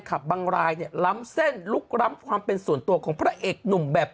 บางรายเนี่ยล้ำเส้นลุกล้ำความเป็นส่วนตัวของพระเอกหนุ่มแบบ